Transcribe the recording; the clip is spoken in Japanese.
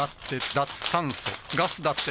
脱炭素ガス・だって・